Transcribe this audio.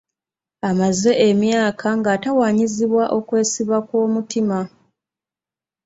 Amaze emyaka nga atawaanyizibwa okwesiba kw'omutima.